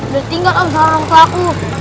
dari tinggal om sama orang tua aku